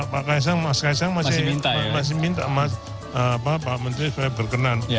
pak kaisang masih minta pak menteri saya berkenan